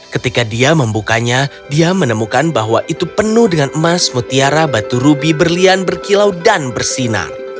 ketika dia membukanya dia menemukan bahwa itu penuh dengan emas mutiara batu rubi berlian berkilau dan bersinar